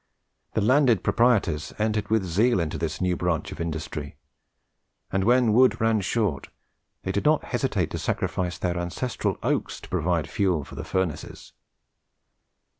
The landed proprietors entered with zeal into this new branch of industry, and when wood ran short, they did not hesitate to sacrifice their ancestral oaks to provide fuel for the furnaces.